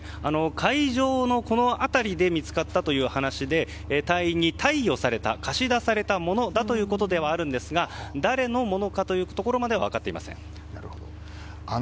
海上のこの辺りで見つかったという話で隊員に貸与された貸し出されたものということではあるんですが誰のものかというところまでは分かっていません。